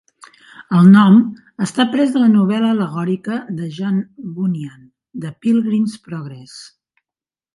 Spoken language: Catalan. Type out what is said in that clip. El nom està pres de la novel·la al·legòrica de John Bunyan "The Pilgrim's Progress".